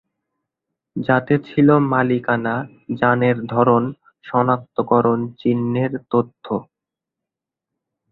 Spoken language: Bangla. যাতে ছিল মালিকানা, যানের ধরন, শনাক্তকরণ চিহ্নের তথ্য।